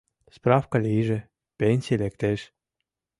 — Справке лийже — пенсий лектеш!